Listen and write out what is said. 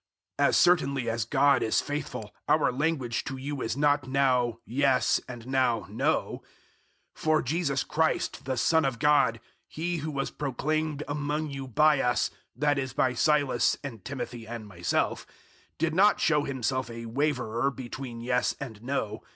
001:018 As certainly as God is faithful, our language to you is not now "Yes" and now "No." 001:019 For Jesus Christ the Son of God He who was proclaimed among you by us, that is by Silas and Timothy and myself did not show Himself a waverer between "Yes" and "No."